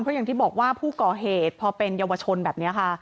เพราะอย่างที่บอกว่าผู้ก่อเหตุพอเป็นเยาวชนแบบนี้ค่ะ